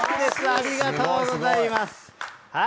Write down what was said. ありがとうございます。